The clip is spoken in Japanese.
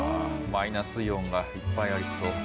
マイナスイオンがいっぱいありそう。